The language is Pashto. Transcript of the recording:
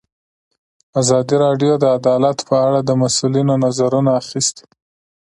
ازادي راډیو د عدالت په اړه د مسؤلینو نظرونه اخیستي.